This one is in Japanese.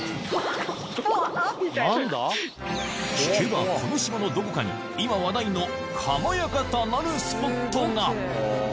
聞けばこの島のどこかに今話題の「かまやかた」なるスポットが！